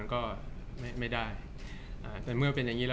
จากความไม่เข้าจันทร์ของผู้ใหญ่ของพ่อกับแม่